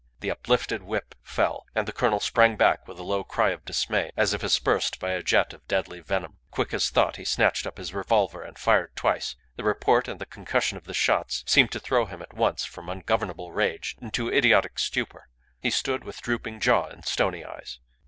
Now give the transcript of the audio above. The uplifted whip fell, and the colonel sprang back with a low cry of dismay, as if aspersed by a jet of deadly venom. Quick as thought he snatched up his revolver, and fired twice. The report and the concussion of the shots seemed to throw him at once from ungovernable rage into idiotic stupor. He stood with drooping jaw and stony eyes.